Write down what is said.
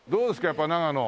やっぱ長野。